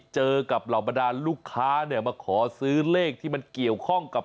เจอกับเหล่าบรรดาลูกค้าเนี่ยมาขอซื้อเลขที่มันเกี่ยวข้องกับ